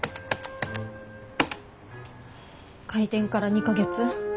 開店から２か月。